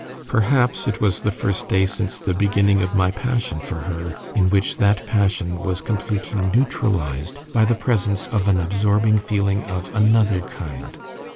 Perhaps it was the first day since the beginning of my passion for her, in which that passion was completely neutralized by the presence of an absorbing feeling of another kind.